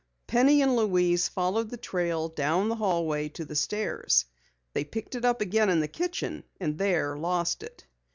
Penny and Louise followed the trail down the hallway to the stairs. They picked it up again in the kitchen and there lost it.